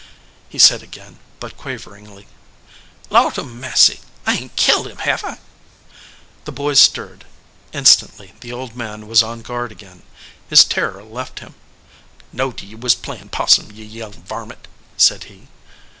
he said again, but quaveringly. "Lord a massy, I ain t killed him, have I ?" he muttered. The boy stirred. Instantly the old man was on guard again. His terror left him. "Knowed ye was playin possum, ye young varmint," said he.